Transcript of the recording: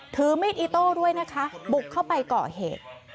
ถือมีดอิโต้ด้วยนะคะบุกเข้าไปก่อเหตุ